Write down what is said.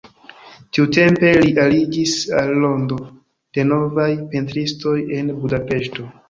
Tiutempe li aliĝis al rondo de novaj pentristoj en Budapeŝto.